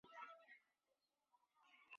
其中亦可能夹有少数汉语成分。